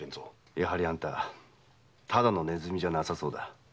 やはりあんたただの鼠じゃなさそうだ。